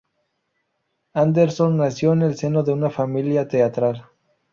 Anderson nació en el seno de una familia teatral.